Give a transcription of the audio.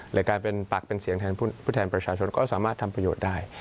กลายเป็นปากเป็นเสียงแทนผู้แทนประชาชนก็สามารถทำประโยชน์ได้